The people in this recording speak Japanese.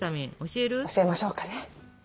教えましょうかね。